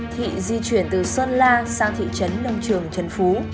thị di chuyển từ sơn la sang thị trấn nông trường trần phú